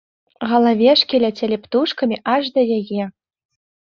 Галавешкі ляцелі птушкамі аж да яе.